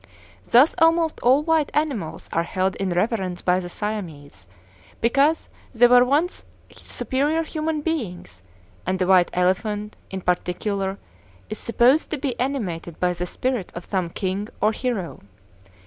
Thus almost all white animals are held in reverence by the Siamese, because they were once superior human beings, and the white elephant, in particular, is supposed to be animated by the spirit of some king or hero.